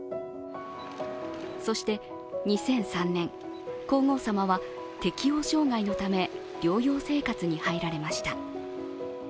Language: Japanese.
そして２００３年、皇后さまは適応障害のため、療養生活に入られました。